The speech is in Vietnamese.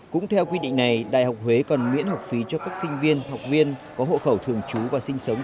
cũng theo quy định này đại học huế còn miễn học phí cho các sinh viên học viên có hộ khẩu thường trú và sinh sống